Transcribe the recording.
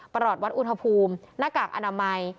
หลอดวัดอุณหภูมิหน้ากากอนามัย